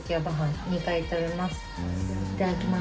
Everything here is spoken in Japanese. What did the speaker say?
いただきます。